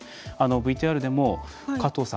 ＶＴＲでも、加藤さん